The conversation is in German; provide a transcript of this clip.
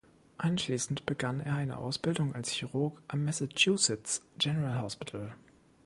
Anschließend begann er eine Ausbildung als Chirurg am Massachusetts General Hospital.